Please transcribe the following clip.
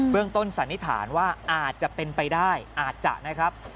ต้นสันนิษฐานว่าอาจจะเป็นไปได้อาจจะนะครับ